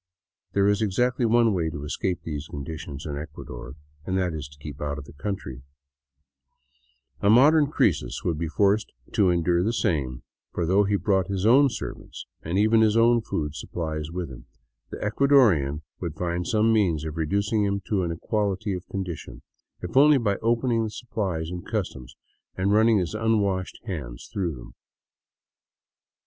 There is exactly one way to escape these conditions in Ecuador, and that is to keep out of the countr3\ A modern Croesus would be forced to endure the same, for though he brought his own servants and even his food supplies with him, the Eucadorian would find some means of reducing him to an equality of condition, if only by opening the supplies in customs and running his unwashed hands through them.